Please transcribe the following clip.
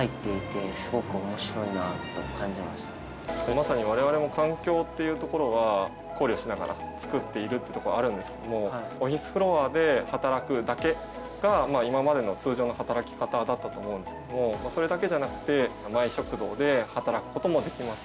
まさに我々も環境っていうところは考慮しながら作っているってとこはあるんですけどもオフィスフロアで働くだけが今までの通常の働き方だったと思うんですけどもそれだけじゃなくてＭｙＳｈｏｋｕｄｏで働くこともできます